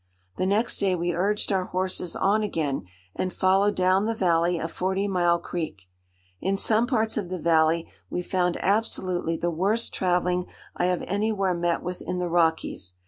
The next day we urged our horses on again and followed down the valley of Forty Mile Creek. In some parts of the valley we found absolutely the worst travelling I have anywhere met with in the Rockies.